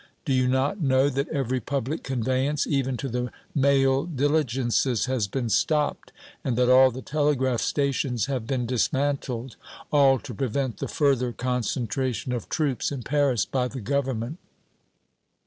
Do you not know that every public conveyance, even to the Mail Diligences, has been stopped, and that all the telegraph stations have been dismantled all to prevent the further concentration of troops in Paris by the Government?"